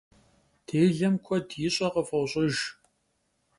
Dêlem kued yiş'e khıf'oş'ıjj.